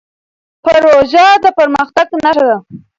پروژه د پرمختګ نښه ده.